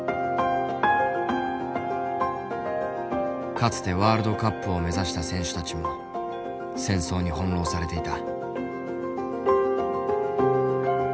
かつてワールドカップを目指した選手たちも戦争に翻弄されていた。